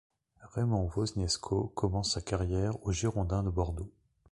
Raymond Wozniesko commence sa carrière aux Girondins de Bordeaux.